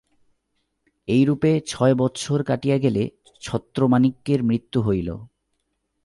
এইরূপে ছয় বৎসর কাটিয়া গেলে ছত্রমাণিক্যের মৃত্যু হইল।